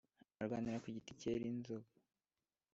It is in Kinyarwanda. arwanira ku giti cyera inzoga